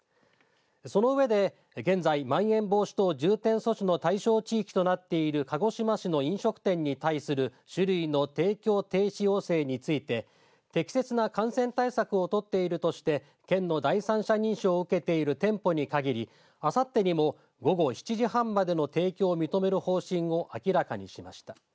その上で、現在まん延防止等重点措置の対象地域となっている鹿児島市の飲食店に対する酒類の提供停止要請について適切な感染対策を取っているとして県の第三者認証を受けている店舗にかぎりあさってにも午後７時半までの提供を認める方針を明らかにしました。